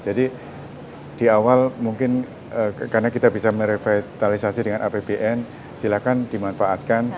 jadi di awal mungkin karena kita bisa merevitalisasi dengan apbn silahkan dimanfaatkan